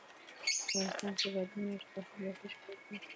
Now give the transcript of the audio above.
افغانستان کې بادي انرژي د خلکو د خوښې وړ ځای دی.